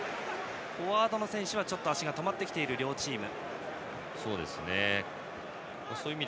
フォワードの選手は足が止まってきている両チーム。